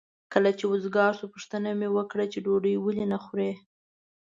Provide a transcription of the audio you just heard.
کله چې وزګار شو پوښتنه مې وکړه چې ډوډۍ ولې نه خورې؟